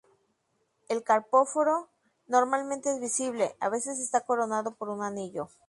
El carpóforo normalmente es visible, a veces está coronado por un anillo.